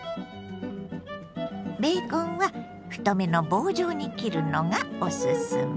ベーコンは太めの棒状に切るのがおすすめ。